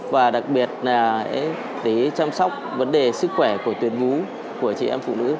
và đặc biệt là để chăm sóc vấn đề sức khỏe của tuyến nhú của chị em phụ nữ